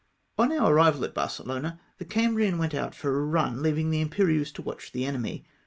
On our arrival at Barcelona the Cambrian went out for a run, leaving the Imperieuse to watch the enemy.